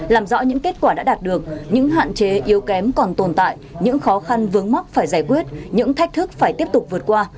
làm rõ những kết quả đã đạt được những hạn chế yếu kém còn tồn tại những khó khăn vướng mắc phải giải quyết những thách thức phải tiếp tục vượt qua